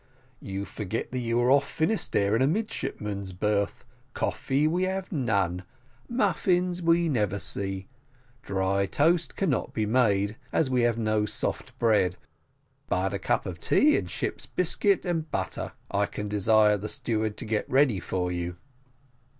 "You forget that you are off Finisterre, in a midshipman's berth: coffee we have none muffins we never see dry toast cannot be made, as we have no soft bread; but a cup of tea, and ship's biscuit and butter, I can desire the steward to get ready for you."